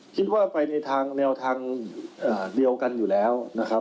ชินว่าไปในแนวทางเดียวกันอยู่แล้ว